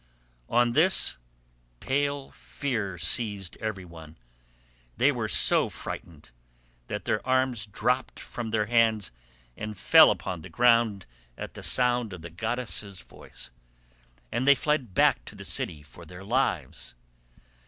On this pale fear seized every one; they were so frightened that their arms dropped from their hands and fell upon the ground at the sound of the goddess' voice, and they fled back to the city for their lives.